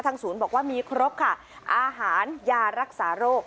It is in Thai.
ศูนย์บอกว่ามีครบค่ะอาหารยารักษาโรค